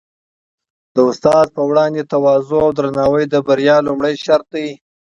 د استاد په وړاندې تواضع او درناوی د بریا لومړی شرط دی.